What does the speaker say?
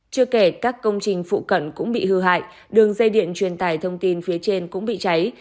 chưa kể các công trình phụ cận cũng bị hư hại đường dây điện truyền tải thông tin phía trên cũng bị cháy